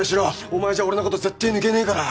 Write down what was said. お前じゃ俺のこと絶対抜けねえから！